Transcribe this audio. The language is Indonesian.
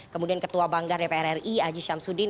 kemudian ketua banggar dpr ri aji syamsuddin